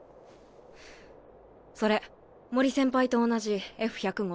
それ森先輩と同じＦ１００号？